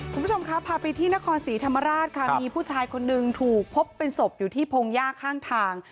คุณผู้ชมครับพาไปที่นครศรีธรรมราชค่ะมีผู้ชายคนหนึ่งถูกพบเป็นศพอยู่ที่พงหญ้าข้างทาง